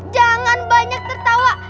jangan banyak tertawa